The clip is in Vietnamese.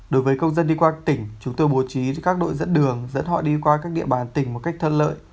đối với công dân đi qua tỉnh chúng tôi bố trí các đội dẫn đường dẫn họ đi qua các địa bàn tỉnh một cách thân lợi